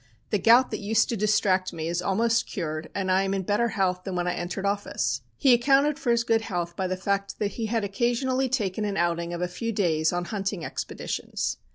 The gout that used to distract me is almost cured, and I am in better health than when I entered office.' "He accounted for his good health by the fact that he had occasionally taken an outing of a few days on hunting expeditions.